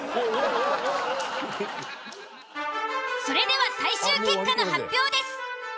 それでは最終結果の発表です。